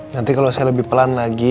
nanti kalau saya lebih pelan lagi